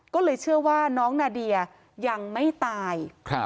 ก็เลยเชื่อว่าน้องนาเดียยังไม่ตาย